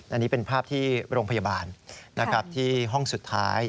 อันนี้เป็นภาพที่โรงพยาบาลที่ห้องสุดท้าย